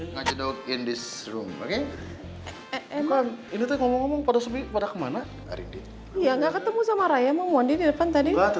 ngajak in this room oke ini pada kemana iya nggak ketemu sama raya mau mandi depan tadi